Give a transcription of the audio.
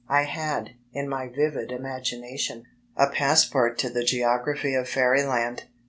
I had, in my vivid imagination, a passport to the geography of Fairyland.